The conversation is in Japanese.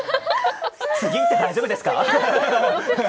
次いって大丈夫ですか？